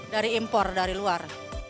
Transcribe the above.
dari impor dari luar